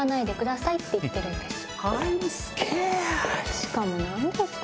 しかも何ですか？